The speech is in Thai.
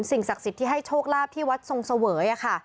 สิ่งศักดิ์สิทธิ์ที่ให้โชคราบที่วัดทรงเสว๋ย